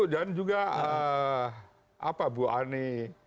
dan juga ibu ani